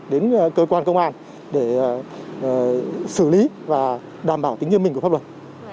đến cơ quan công an để xử lý và đảm bảo tính nhiên mình của pháp luật